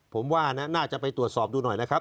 ผมว่าน่าจะไปตรวจสอบดูหน่อยแล้วครับ